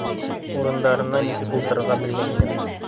Урындарына нисек ултырырға белмәй инем.